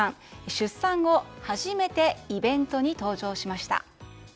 出産後初めてイベントに登場しました。